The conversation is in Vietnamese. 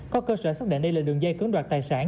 có cơ sở xác định đây là đường dây cưỡng đoạt tài sản